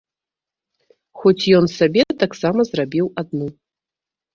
Хоць ён сабе таксама зрабіў адну.